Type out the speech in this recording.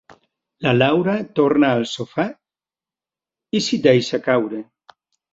La Laura torna al sofà i s'hi deixa caure.